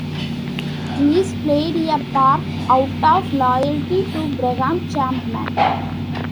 Cleese played a part out of loyalty to Graham Chapman.